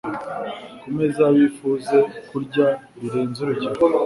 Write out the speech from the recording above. ku meza bifuze kurya birenze urugero.